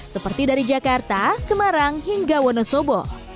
seperti dari jakarta semarang hingga wonosobo